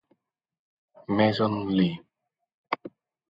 Mason Lee